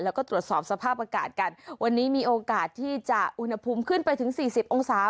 แล้วก็ตรวจสอบสภาพอากาศกันวันนี้มีโอกาสที่จะอุณหภูมิขึ้นไปถึงสี่สิบองศา